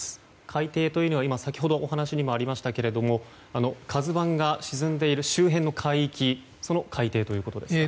海底というのは先ほどのお話にもありましたけど「ＫＡＺＵ１」が沈んでいる周辺の海域その海底ということですか。